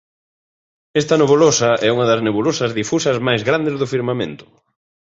Esta nebulosa é unha das nebulosas difusas máis grandes do firmamento.